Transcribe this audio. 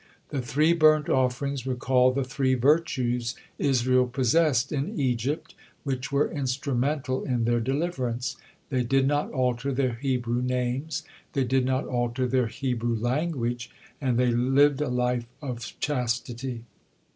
The three burnt offerings recalled the three virtues Israel possessed in Egypt, which were instrumental in their deliverance they did not alter their Hebrew names, they did not alter their Hebrew language, and they lived a live of chastity.